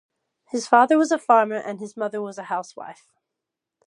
His father was a farmer and his mother was a house wife.